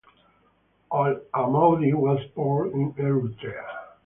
Al-Amoudi was born in Eritrea.